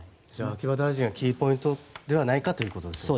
秋葉大臣がキーポイントではないかということですね。